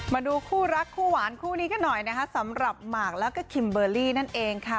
มาดูคู่รักคู่หวานคู่นี้กันหน่อยนะคะสำหรับหมากแล้วก็คิมเบอร์รี่นั่นเองค่ะ